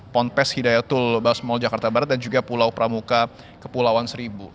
ponpes hidayatul basmol jakarta barat dan juga pulau pramuka kepulauan seribu